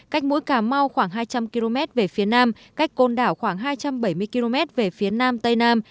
cách mũi cà mau khoảng hai trăm linh km về phía nam cách côn đảo khoảng hai trăm bảy mươi km về phía nam tây nam